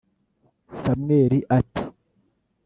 samweli ati